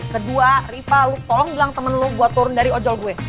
kedua riva lu tolong bilang temen lu buat turun dari ojol gue